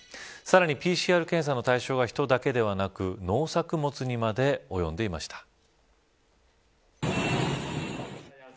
さらに、ＰＣＲ検査の対象は人だけではなく農作物にまで及んでいました。